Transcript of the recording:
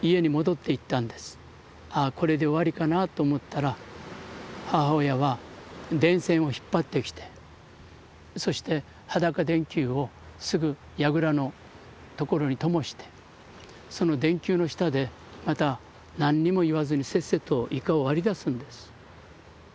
ああこれで終わりかなと思ったら母親は電線を引っ張ってきてそして裸電球をすぐやぐらのところに灯してその電球の下でまた何にも言わずにせっせとイカを割りだすんです。